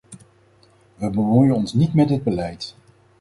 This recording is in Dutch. We bemoeien ons niet met dit beleid.